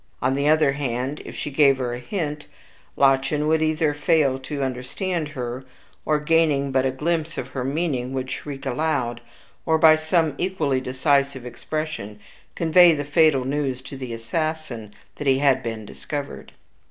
On the other hand, if she gave her a hint, Lottchen would either fail to understand her, or, gaining but a glimpse of her meaning, would shriek aloud, or by some equally decisive expression convey the fatal news to the assassin that he had been discovered.